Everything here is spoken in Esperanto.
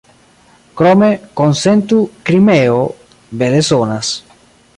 Krome, konsentu, "Krimeo" bele sonas.